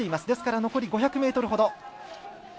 ですから残り５００ｍほど。